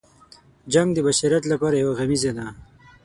جنګ د بشریت لپاره یو غمیزه ده.